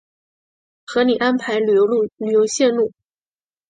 合理安排旅游线路